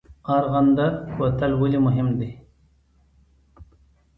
ارغنده کوتل ولې مهم دی؟